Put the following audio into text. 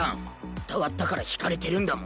伝わったからひかれてるんだもん。